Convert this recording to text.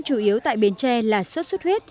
chủ yếu tại biển tre là sốt xuất huyết